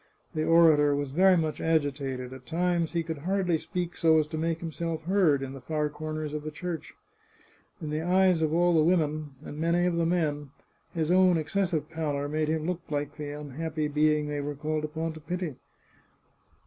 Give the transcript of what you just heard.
The orator was very much agitated ; at times he could hardly speak so as to make himself heard in the far corners of the little church. In the eyes of all the women, and many of the men, his own excessive pallor made him look like the un happy being they were called upon to pity.